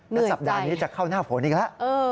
แล้วสัปดาห์นี้จะเข้าหน้าฝนอีกแล้ว